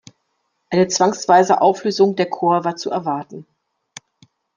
Eine zwangsweise Auflösung der Corps war zu erwarten.